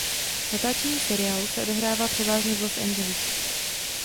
Natáčení seriálu se odehrává převážně v Los Angeles.